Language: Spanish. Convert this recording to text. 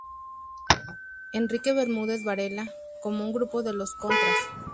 Enrique Bermúdez Varela, como un grupo de los Contras.